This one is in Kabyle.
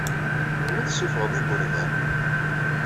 Melmi i tessuffɣeḍ igerdan?